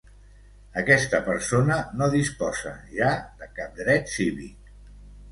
Aquesta persona no disposa ja de cap dret cívic.